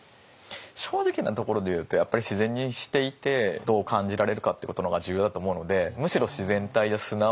正直なところで言うとやっぱり自然にしていてどう感じられるかっていうことの方が重要だと思うのでむしろ難しいですね。